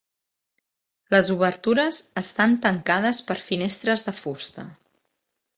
Les obertures estan tancades per finestres de fusta.